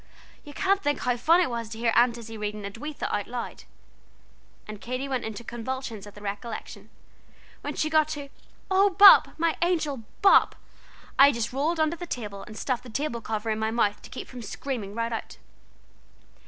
You can't think how funny it was to hear Aunt Izzie reading 'Edwitha' out loud " and Katy went into convulsions at the recollection "where she got to 'Oh Bop my angel Bop ' I just rolled under the table, and stuffed the table cover in my mouth to keep from screaming right out.